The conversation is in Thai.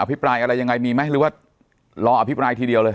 พี่ปรายอะไรยังไงมีไหมหรือว่ารออภิปรายทีเดียวเลย